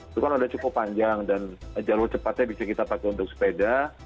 itu kan sudah cukup panjang dan jalur cepatnya bisa kita pakai untuk sepeda